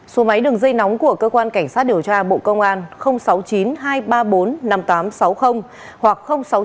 số máy đường dây nóng của cơ quan cảnh sát điều tra bộ công an sáu mươi chín hai trăm ba mươi bốn năm nghìn tám trăm sáu mươi hoặc sáu mươi chín hai trăm ba mươi hai một nghìn sáu trăm sáu mươi